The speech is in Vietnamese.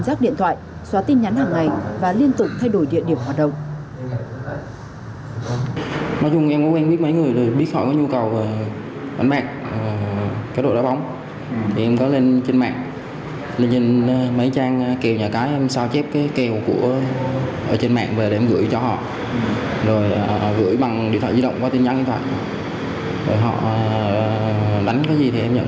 xác điện thoại xóa tin nhắn hàng ngày và liên tục thay đổi địa điểm hoạt động